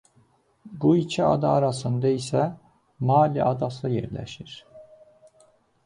Bu iki ada arasında isə Malı adası yerləşir.